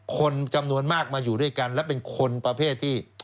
คนจำนวนมากมาอยู่ด้วยกันและเป็นคนประเภทที่